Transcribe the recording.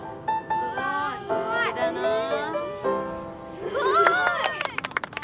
・すごい！